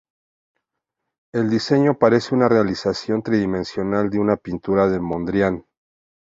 El diseño parece una realización tridimensional de una pintura de Mondrian.